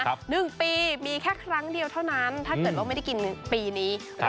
หนึ่งปีมีแค่ครั้งเดียวเท่านั้นถ้าเกิดว่าไม่ได้กินปีนี้